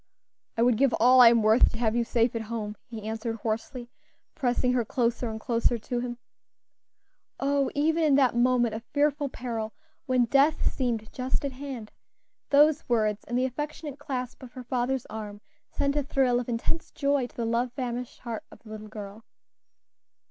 "I would give all I am worth to have you safe at home," he answered hoarsely, pressing her closer and closer to him. O! even in that moment of fearful peril, when death seemed just at hand, those words, and the affectionate clasp of her father's arm, sent a thrill of intense joy to the love famished heart of the little girl.